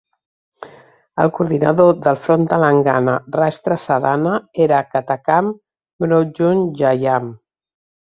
El coordinador del Front Telangana Rashtra Sadhana era Katakam Mruthyunjayam.